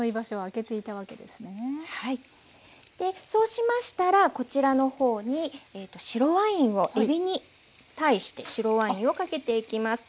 そうしましたらこちらの方に白ワインをえびに対して白ワインをかけていきます。